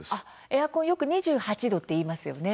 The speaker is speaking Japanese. エアコンよく２８度って言いますよね。